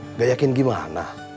nggak yakin gimana